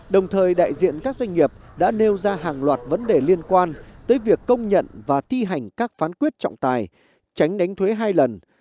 đồng thời đại diện các doanh nghiệp đã nêu ra hàng loạt vấn đề liên quan tới việc công nhận và thi hành các phán quyết trọng tài tránh đánh thuế hai lần